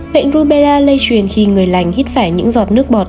bệnh rubella lây truyền khi người lành hít phải những giọt nước bọt